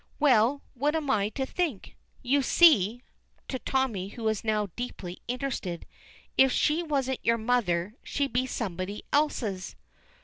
"Well! What am I to think? You see," to Tommy, who is now deeply interested, "if she wasn't your mother, she'd be somebody else's."